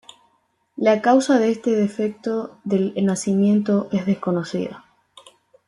La causa de este defecto del nacimiento es desconocida.